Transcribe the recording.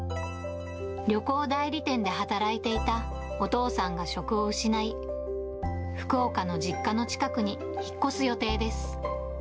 旅行代理店で働いていたお父さんが職を失い、福岡の実家の近くに引っ越す予定です。